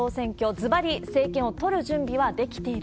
ずばり、政権を取る準備は出来ている？